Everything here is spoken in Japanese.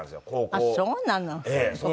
あっそうなの。